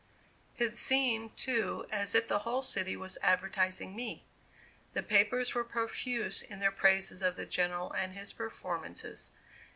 It seemed, too, as if the whole city was advertising me. The papers were profuse in their praises of the General and his performances.